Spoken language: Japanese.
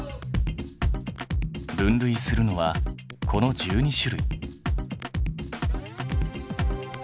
分類するのはこの１２種類。